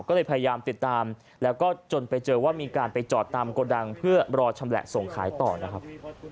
ก็เลยพยายามติดตามแล้วก็จนไปเจอว่ามีการไปจอดตามโกดังเพื่อรอชำแหละส่งขายต่อนะครับ